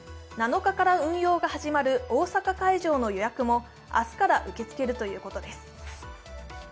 ７日から運用が始まる大阪会場の予約も明日から受け付けるということです。